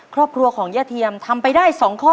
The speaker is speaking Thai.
ครอบครัวของย่าเทียมทำไปได้๒ข้อ